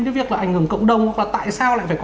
cái việc là ảnh hưởng cộng đồng hoặc là tại sao lại phải có